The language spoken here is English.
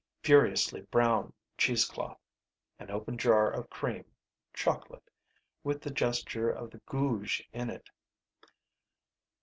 Furiously brown cheesecloth. An open jar of cream (chocolate) with the gesture of the gouge in it.